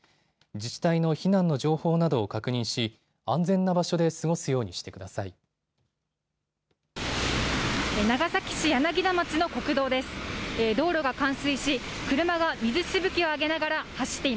自治体の避難の情報などを確認し、安全な場所で過ごすようにしてください。